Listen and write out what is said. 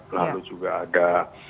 lalu juga ada